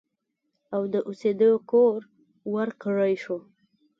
او د اوسېدو کور ورکړی شو